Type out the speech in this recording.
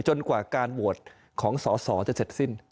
กว่าการโหวตของสอสอจะเสร็จสิ้น